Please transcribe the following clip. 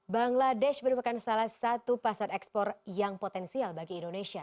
bangladesh merupakan salah satu pasar ekspor yang potensial bagi indonesia